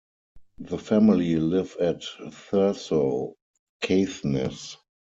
The family live at Thurso, Caithness.